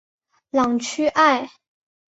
朗屈艾。